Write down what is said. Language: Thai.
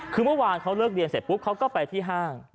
คือเมื่อวานเขาเลิกเรียนเสร็จปุ๊บเขาก็ไปที่ห้าง